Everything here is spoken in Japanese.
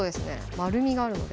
丸みがあるので。